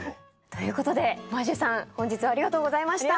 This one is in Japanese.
ということでまじゅさん本日はありがとうございました。